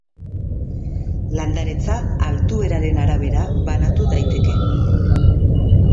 Landaretza altueraren arabera banatu daiteke.